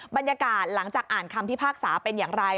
บรรยากาศหลังจากอ่านคำพิพากษาเป็นอย่างไร